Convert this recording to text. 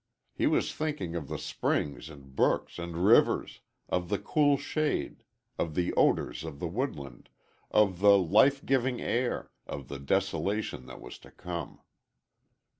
He was thinking of the springs and brooks and rivers, of the cool shade, of the odors of the woodland, of the life giving air, of the desolation that was to come.